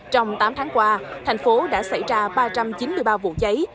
trong tám tháng qua thành phố đã xảy ra ba trăm chín mươi ba vụ cháy